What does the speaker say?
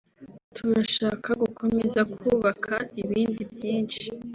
turashaka gukomeza kubaka ibindi byinshi